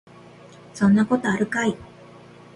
そんなことあるかい